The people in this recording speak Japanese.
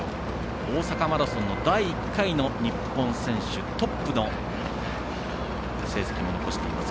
大阪マラソンの第１回の日本選手トップの成績も残しています。